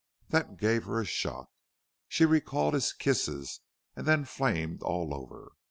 That gave her a shock. She recalled his kisses and then flamed all over.